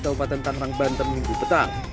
kabupaten tangerang banten minggu petang